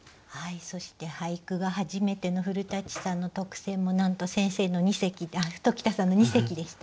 そして俳句が初めての古さんの特選もなんと先生の二席鴇田さんの二席でした。